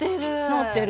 なってる。